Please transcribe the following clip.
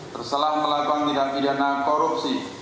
terselah melakukan pidana korupsi